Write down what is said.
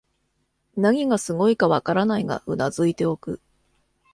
何がすごいかわからないが頷いておく